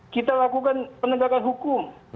kita lakukan penegakan hukum